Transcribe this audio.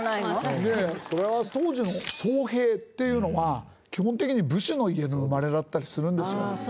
それは当時の僧兵っていうのは基本的に武士の家の生まれだったりするんですよ。